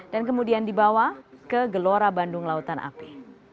dan kemudian dibawa ke gelora bandung lautan api